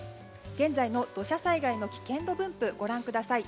現在の土砂災害の危険度分布ご覧ください。